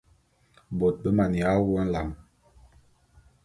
Bôt be maneya wu nlam.